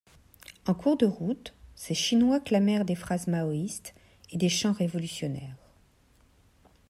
En cours de route, ces Chinois clamèrent des phrases maoïste et des chants révolutionnaires.